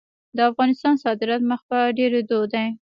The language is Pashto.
د افغانستان صادرات مخ په ډیریدو دي